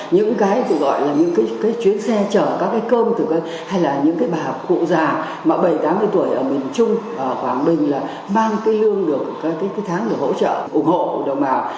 những cái tôi gọi là những cái chuyến xe chở các cái cơm hay là những cái bà cụ già mà bảy mươi tám mươi tuổi ở bình trung quảng bình là mang cái lương được cái tháng để hỗ trợ ủng hộ đồng bào